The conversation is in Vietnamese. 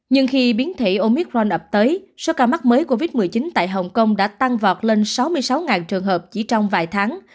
nhưng khi biến thể omicron ập tới số ca mắc mới covid một mươi chín tại hồng kông đã tăng vọt lên sáu mươi sáu trường hợp chỉ trong vài tháng